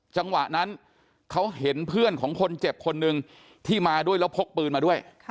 จังหวะนั้นเขาเห็นเพื่อนของคนเจ็บคนนึงที่มาด้วยแล้วพกปืนมาด้วย